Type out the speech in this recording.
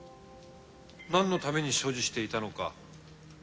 なんのために所持していたのか。